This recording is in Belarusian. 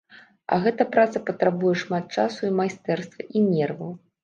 А гэта праца патрабуе шмат часу і майстэрства, і нерваў.